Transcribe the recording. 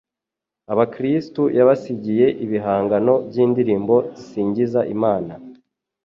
abakristu yabasigiye ibihangano by' indirimbo zisingiza Imana